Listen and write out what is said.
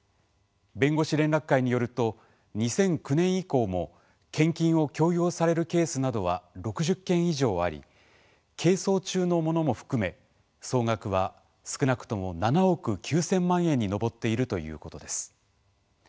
弁護士連絡会によると２００９年以降も献金を強要されるケースなどは６０件以上あり係争中のものも含め総額は少なくとも７億９０００万円に上っているということです。